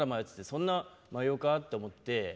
そんな迷うか？って思って。